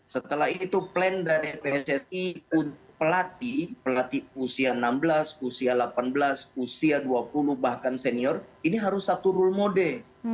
setelah itu plan dari pssi pelatih pelatih usia enam belas usia delapan belas usia dua puluh bahkan senior ini harus satu rule mode